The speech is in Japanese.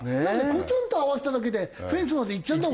コツンと合わせただけでフェンスまでいっちゃうんだもんね。